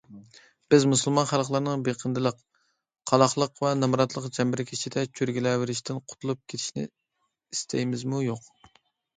بىز مۇسۇلمان خەلقلەرنىڭ بېقىندىلىق، قالاقلىق ۋە نامراتلىق چەمبىرىكى ئىچىدە چۆرگىلەۋېرىشتىن قۇتۇلۇپ كېتىشىنى ئىستەيمىزمۇ - يوق؟